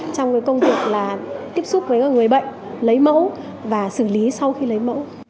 trong cái công việc là tiếp xúc với người bệnh lấy mẫu và xử lý sau khi lấy mẫu